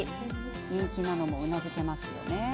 人気なのも、うなずけますよね。